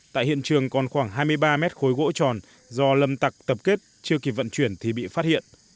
tại hiện trường còn khoảng hai mươi ba mét khối gỗ tròn do lâm tặc tập kết chưa kịp vận chuyển thì bị phát hiện